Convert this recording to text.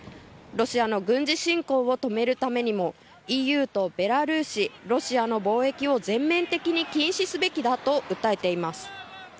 ロシアの軍事侵攻を止めるためにもＥＵとベラルーシロシアの貿易を全面的に禁止すべきだと訴えています。